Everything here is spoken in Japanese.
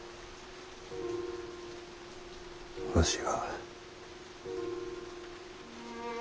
わしが。